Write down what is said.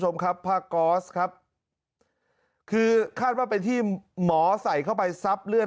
คุณผู้ชมครับผ้าก๊อสครับคือคาดว่าเป็นที่หมอใส่เข้าไปซับเลือด